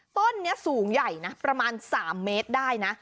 ต้นนี้สูงใหญ่นะประมาณ๓เมตรได้นะ